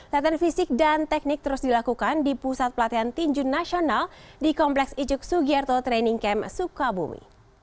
latihan fisik dan teknik terus dilakukan di pusat pelatihan tinjun nasional di kompleks ijuk sugiarto training camp sukabumi